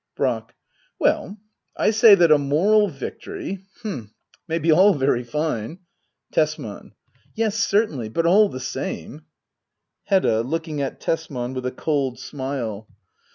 Brack. Well, I say that a moral victory — h'm — may be all very fine Tesman. Yes, certainly. But all the same Hedda. [Looking at Tesman with a cold smile.